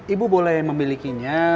ibu boleh memilikinya